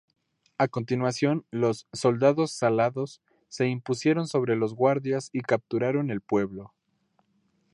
A continuación los "soldados salados" se impusieron sobre los guardias y capturaron el pueblo.